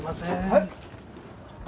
はい。